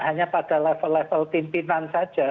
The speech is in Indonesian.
hanya pada level level pimpinan saja